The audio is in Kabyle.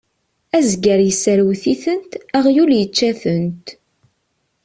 Azger yesserwet-itent, aɣyul yečča-tent.